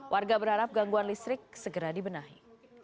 warga berharap gangguan listrik segera dibenahi